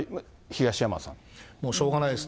もうしょうがないです。